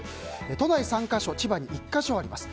都内３か所千葉に１か所あります。